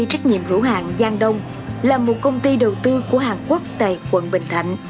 trách nhiệm hữu hạng giang đông là một công ty đầu tư của hàn quốc tại quận bình thạnh